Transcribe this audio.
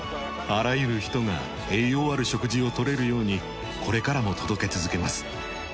あらゆる人が栄養ある食事を取れるようにこれからも届け続けます。